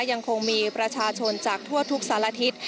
ยังคงมีประชาชนจากทั่วทุกสารทิศ